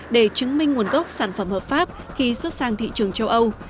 để chứng minh nguồn gốc sản phẩm hợp pháp khi xuất sang thị trường châu âu